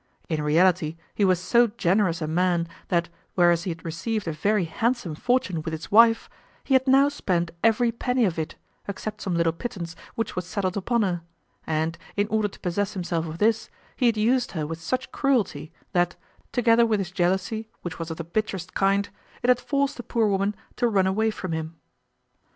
In reality, he was so generous a man, that, whereas he had received a very handsome fortune with his wife, he had now spent every penny of it, except some little pittance which was settled upon her; and, in order to possess himself of this, he had used her with such cruelty, that, together with his jealousy, which was of the bitterest kind, it had forced the poor woman to run away from him.